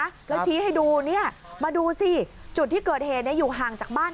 แล้วชี้ให้ดูเนี่ยมาดูสิจุดที่เกิดเหตุเนี่ยอยู่ห่างจากบ้าน